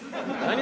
何？